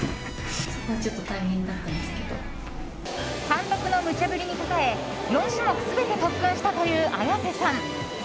監督のむちゃ振りに応え４種目全て特訓したという綾瀬さん。